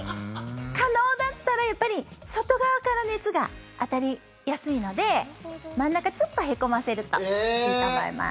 可能だったら外側から熱が当たりやすいので真ん中ちょっとへこませるといいと思います。